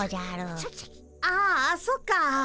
ああそっか。